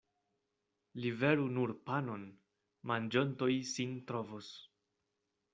Liveru nur panon, manĝontoj sin trovos.